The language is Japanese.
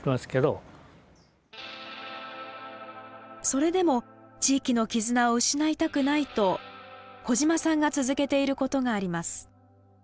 それでも地域の絆を失いたくないと小嶋さんが続けていることがあります。